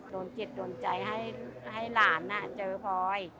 โดนจิตโดนใจให้หลานเจอพลอย